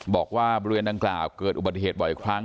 บอกว่าบริเวณดังกล่าวเกิดอุบัติเหตุบ่อยครั้ง